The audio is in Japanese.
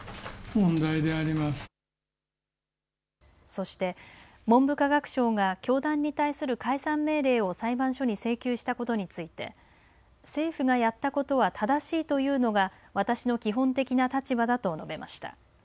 そして、文部科学省が教団に対する解散命令を裁判所に提出したことについて政府がやったことは正しいというのが私の基本的な立場だと述べました。